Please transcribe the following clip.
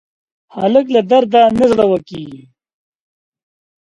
هلک له درده نه زړور کېږي.